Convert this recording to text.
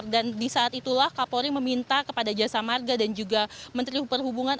dan di saat itulah kapolri meminta kepada jasa marga dan juga menteri perhubungan